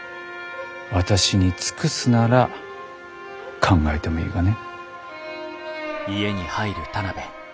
私に尽くすなら考えてもいいがね。